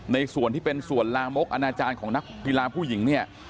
ส่วนที่เป็นส่วนลามกอนาจารย์ของนักกีฬาผู้หญิงเนี่ย